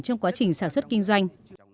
trong quá trình sản xuất kinh doanh